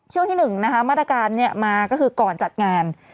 ช่วงที่๑นะคะมาตรการมาก็คือก่อนจัดงาน